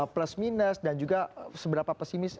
plus minus dan juga seberapa pesimis